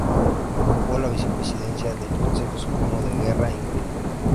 Ocupó la vicepresidencia del Consejo Supremo de Guerra y Marina.